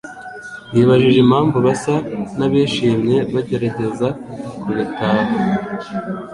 Yibajije impamvu basa nabishimye bagerageza kubitaho.